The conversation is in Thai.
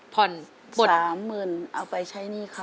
ผ่อนสามหมื่นเอาไปใช้หนี้ค่ะ